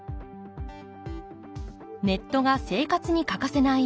ネットが生活に欠かせない